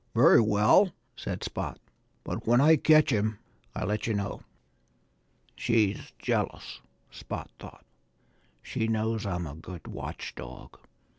"Very well!" said Spot. "But when I catch him I'll let you know." "She's jealous," Spot thought. "She knows I'm a good watch dog.